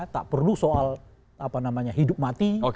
tak perlu soal apa namanya hidup mati